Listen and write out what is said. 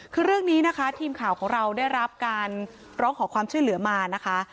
คือเรื่องนี้นะคะทีมข่าวของเราได้รับการร้องขอความช่วยเหลือมานะคะ